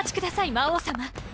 魔王様